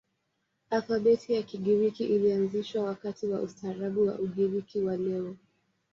Alfabeti ya Kigiriki ilianzishwa wakati wa ustaarabu wa Ugiriki wa leo.